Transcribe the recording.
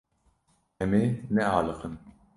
Em ê nealiqin.